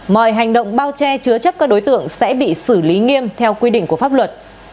mọi hành động bao che chứa chấp các đối tượng sẽ bị xử lý nghiêm theo quy định của pháp luật